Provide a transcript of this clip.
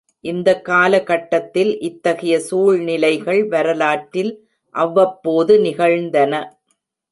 இந்த காலகட்டத்தில் இத்தகைய சூழ்நிலைகள் வரலாற்றில் அவ்வப்போது நிகழ்ந்தன.